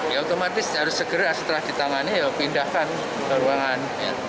ya otomatis harus segera setelah ditangani ya pindahkan ke ruangan